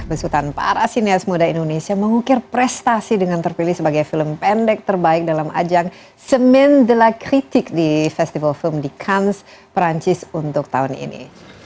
besutan para sinias muda indonesia mengukir prestasi dengan terpilih sebagai film pendek terbaik dalam ajang semen the lacritic di festival film di kans perancis untuk tahun ini